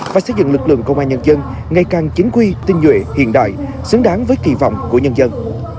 và xây dựng lực lượng công an nhân dân ngày càng chính quy tinh nhuệ hiện đại xứng đáng với kỳ vọng của nhân dân